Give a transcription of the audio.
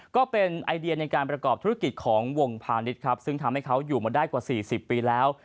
ก็เป็นไอเดียในการประกอบธุรกิจของวงพาณิชย์ครับซึ่งทำให้เขาอยู่มาได้กว่า๔๐ปีแล้ว